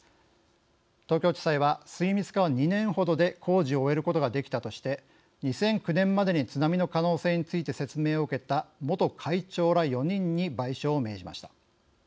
東京地裁は水密化は２年ほどで工事を終えることができたとして２００９年までに津波の可能性について説明を受けた元会長ら４人に賠償を命じました。